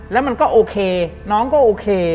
แล้วมันก็โอเคน้องก็โอเค